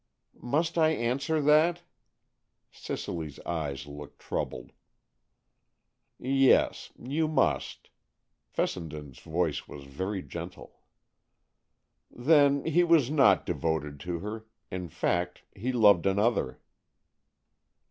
"Must I answer that?" Cicely's eyes looked troubled. "Yes, you must." Fessenden's voice was very gentle. "Then he was not devoted to her; in fact, he loved another."